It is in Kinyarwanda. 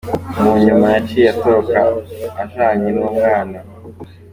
Mu nyuma yaciye atoroka ajanye n'uwo mwana.